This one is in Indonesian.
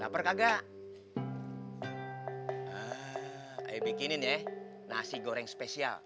hai kagak kagak bikinin ya nasi goreng spesial